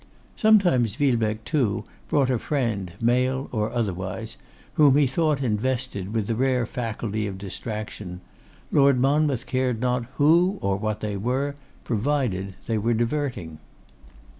Sometimes Villebecque, too, brought a friend, male or otherwise, whom he thought invested with the rare faculty of distraction: Lord Monmouth cared not who or what they were, provided they were diverting.